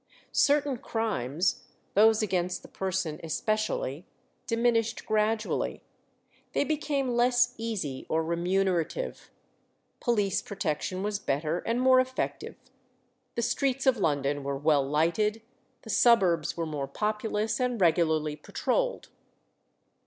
Certain crimes, those against the person especially, diminished gradually. They became less easy or remunerative. Police protection was better and more effective; the streets of London were well lighted, the suburbs were more populous and regularly patrolled.